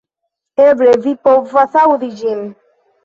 Eble vi povas aŭdi ĝin